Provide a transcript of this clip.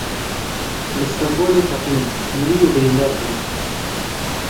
Li Stenbolê teqîn Mirî û birîndar hene.